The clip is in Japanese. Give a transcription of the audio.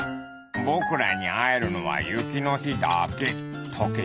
「ぼくらにあえるのはゆきのひだけ。